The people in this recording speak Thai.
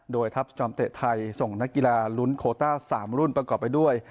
โดยทัพสจอมเตะไทยส่งนักกีฬาลุ้นโคต้า๓รุ่นประกอบไปด้วย